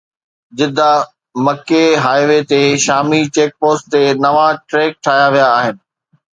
جده-مڪي highway تي شامي check post تي نوان ٽريڪ ٺاهيا ويا آهن